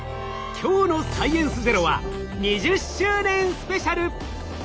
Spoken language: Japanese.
今日の「サイエンスＺＥＲＯ」は２０周年ＳＰ！